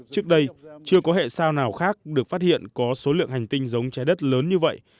trước đây chưa có hệ sao nào khác được phát hiện có số lượng hành tinh giống trái đất lớn như vậy